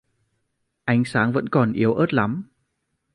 Ánh sáng vẫn còn yếu ớt lắm